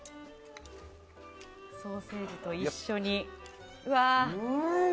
ソーセージと一緒に。